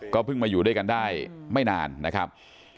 เพิ่งมาอยู่ด้วยกันได้ไม่นานนะครับ